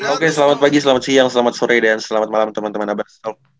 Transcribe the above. oke selamat pagi selamat siang selamat sore dan selamat malam teman teman abbas